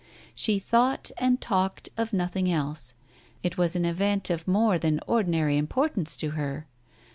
She thought and talked of nothing else. It was an event of more than ordinary importance to her.